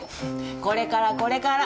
これからこれから。